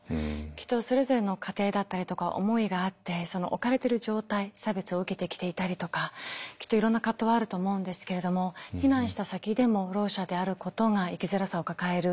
きっとそれぞれの家庭だったりとか思いがあってその置かれてる状態差別を受けてきていたりとかきっといろんな葛藤はあると思うんですけれども避難した先でもろう者であることが生きづらさを抱える。